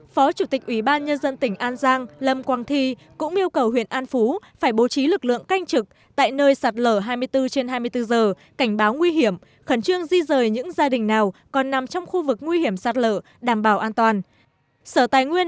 phó chủ tịch ủy ban nhân dân tỉnh an giang lâm quang thi cũng yêu cầu huyện an phú phải bố trí lực lượng canh trực tại nơi sạt lở hai mươi bốn trên hai mươi bốn giờ cảnh báo nguy hiểm khẩn trương di rời những gia đình nào còn nằm trong khu vực nguy hiểm sạt lở đảm bảo an toàn